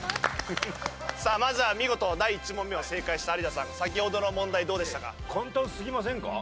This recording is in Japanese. さあまずは見事第１問目を正解した有田さん先ほどの問題どうでしたか？